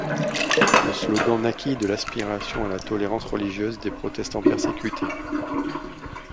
Le slogan naquit de l'aspiration à la tolérance religieuse des protestants persécutés.